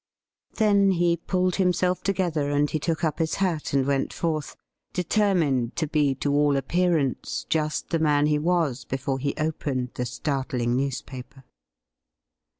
Then he pulled himself together, and he took up his hat and went forth, determined to be to all appearance just the man he was before he opened the startling newspaper.